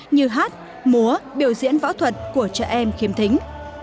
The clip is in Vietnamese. như hát múa biểu diễn võ thuật của trẻ em khiếm thính